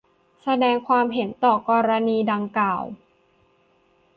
แสดงความเห็นต่อกรณีดังกล่าว